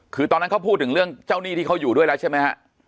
คือตอนนั้นเขาพูดถึงเรื่องเจ้าหนี้ที่เขาอยู่ด้วยแล้วใช่ไหมฮะ